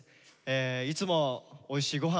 いつもおいしいご飯